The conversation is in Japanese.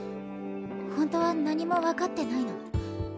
ホントは何もわかってないの。